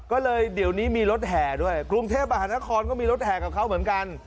ก็เลยเดี๋ยวนี้มีรถแห่ด้วยกรุงเทพมหานครก็มีรถแห่กับเขาเหมือนกัน